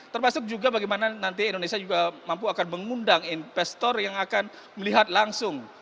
termasuk juga bagaimana nanti indonesia juga mampu akan mengundang investor yang akan melihat langsung